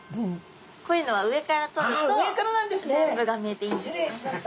こういうのは上からとると全部が見えていいんです。